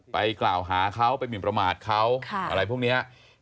ไปกล่าวหาเขาไปหมินประมาทเขาอะไรพวกนี้